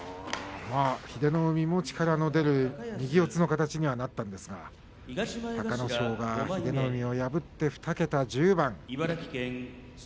英乃海も力の出る右四つの形になったんですが隆の勝が英乃海を破って２桁１０番。